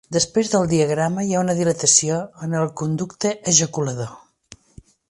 Després del diafragma hi ha una dilatació en el conducte ejaculador.